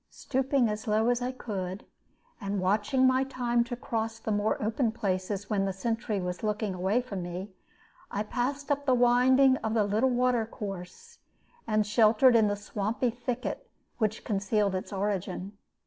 Stooping as low as I could, and watching my time to cross the more open places when the sentry was looking away from me, I passed up the winding of the little watercourse, and sheltered in the swampy thicket which concealed its origin.